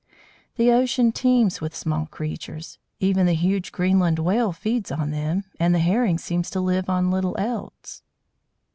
The ocean teems with small creatures; even the huge Greenland Whale feeds on them, and the Herring seems to live on little else.